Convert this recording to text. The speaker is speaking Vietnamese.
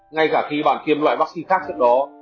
ngay cả khi bạn tiêm loại vắc xin khác trước đó